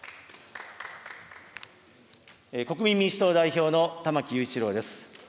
国民民主党代表の玉木雄一郎です。